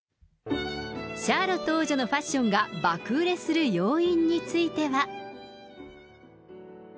シャーロット王女のファッションが爆売れする要因については。